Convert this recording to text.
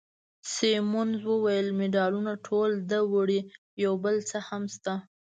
سیمونز وویل: مډالونه ټول ده وړي، یو بل څه هم شته.